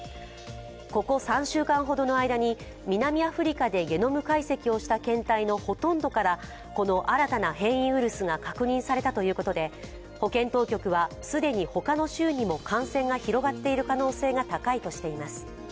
ここ３週間ほどの間に南アフリカでゲノム解析をした検体のほとんどからこの新たな変異ウイルスが確認されたということで保健当局は既に他の州にも感染が広がっている可能性が高いとしています。